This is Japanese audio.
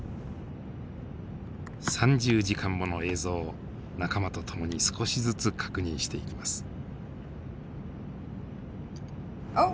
３０時間もの映像を仲間と共に少しずつ確認していきます。